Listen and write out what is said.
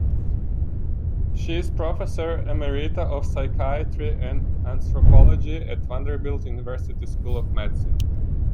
She is professor emerita of psychiatry and anthropology at Vanderbilt University School of Medicine.